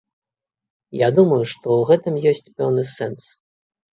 Я думаю, што ў гэтым ёсць пэўны сэнс.